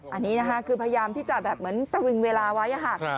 อันนี้นะคะคือพยายามที่จะแบบเหมือนประวิงเวลาไว้ค่ะ